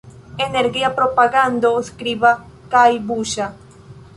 Energia propagando skriba kaj buŝa.